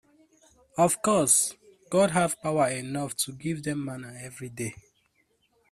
Of course, God had power enough to give them manna every day.